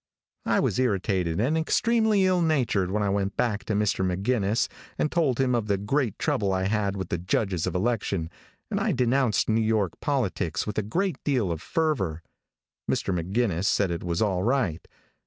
"I was irritated and extremely ill natured when I went back to Mr. McGinnis, and told him. of the great trouble I had had with the judges of election, and I denounced New York politics with a great deal of fervor. "Mr. McGinnis said it was all right.